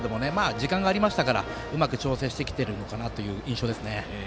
時間がありましたからうまく調整してきているのかという印象ですね。